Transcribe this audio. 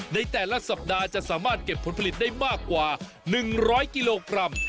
ในแต่ละสัปดาห์จะสามารถเก็บผลผลิตได้มากกว่า๑๐๐กิโลกรัม